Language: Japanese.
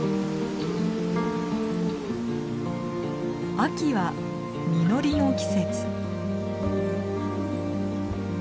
秋は実りの季節。